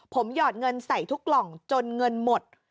ผมหยอดเงินใส่ทุกกล่องจนเงินหมด